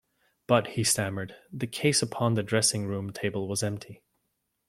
"But" he stammered, "the case upon the dressing-room table was empty."